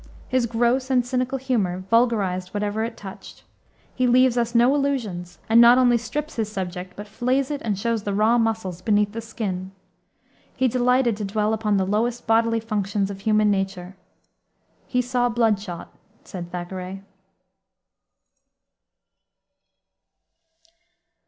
His gross and cynical humor vulgarized whatever it touched. He leaves us no illusions, and not only strips his subject, but flays it and shows the raw muscles beneath the skin. He delighted to dwell upon the lowest bodily functions of human nature. "He saw bloodshot," said Thackeray.